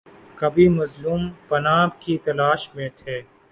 کبھی مظلوم پناہ کی تلاش میں تھے۔